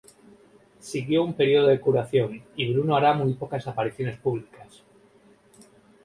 Siguió un período de curación y Bruno hará muy pocas apariciones públicas.